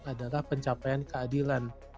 adalah pencapaian keadilan